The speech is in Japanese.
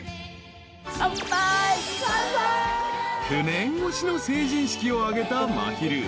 ［９年越しの成人式を挙げたまひる］